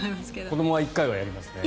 子どもは１回はやりますね。